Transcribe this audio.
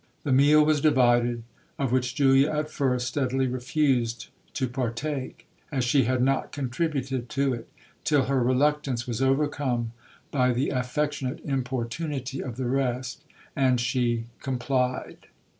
The meal was divided, of which Julia at first steadily refused to partake, as she had not contributed to it, till her reluctance was overcome by the affectionate importunity of the rest, and she complied.